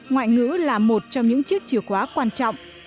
ngoại ngữ là một trong những chiếc chìa khóa quan trọng